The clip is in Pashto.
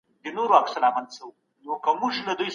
پخوانیو انسانانو د لمر په اړه تعبیرونه کول.